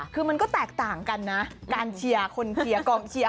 คือมันก็แตกต่างกันนะการเชียร์คนเชียร์กองเชียร์